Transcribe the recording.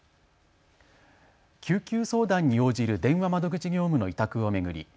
救急相談に応じる電話窓口業務の委託を巡り